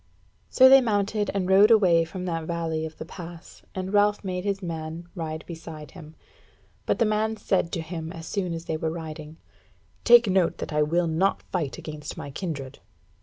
So they mounted and rode away from that valley of the pass, and Ralph made his man ride beside him. But the man said to him, as soon as they were riding: "Take note that I will not fight against my kindred."